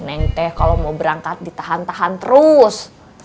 neng teh kalo mau berangkat ditahan tahan terus